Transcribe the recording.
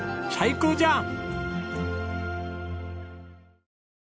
最高じゃん！